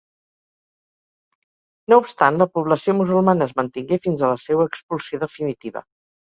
No obstant la població musulmana es mantingué fins a la seua expulsió definitiva.